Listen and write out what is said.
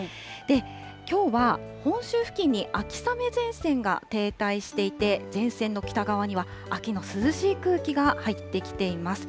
きょうは本州付近に秋雨前線が停滞していて、前線の北側には秋の涼しい空気が入ってきています。